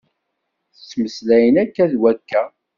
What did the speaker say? Ttmeslayen akka d wakka.